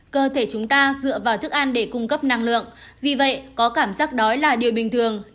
cơ thể chúng ta dựa vào thức ăn để cung cấp năng lượng vì vậy có cảm giác đó là điều bình thường